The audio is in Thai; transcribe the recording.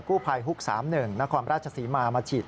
กู้ภัยฮุก๓๑นครราชศรีมามาฉีด